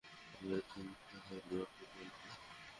আর জুনি রেহান কে খুব ভালোবাসে।